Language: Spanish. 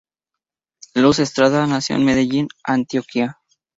Luz Estrada nació en Medellín, Antioquia.